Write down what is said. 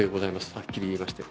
はっきりいいまして。